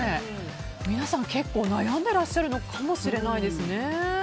皆さん、結構悩んでらっしゃるのかもしれないですね。